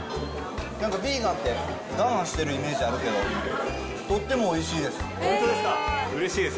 なんかヴィーガンって、我慢してるイメージあるけど、とってもお本当ですか、うれしいです。